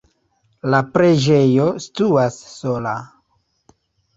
La preĝejo situas sola.